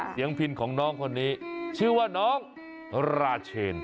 พินของน้องคนนี้ชื่อว่าน้องราเชน